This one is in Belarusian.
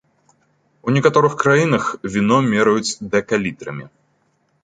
У некаторых краінах віно мераюць дэкалітрамі.